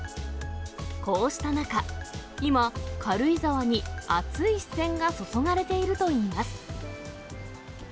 こうした中、今、軽井沢に熱い視線が注がれているといいます。